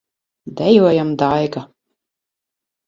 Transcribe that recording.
Dejojam, Daiga!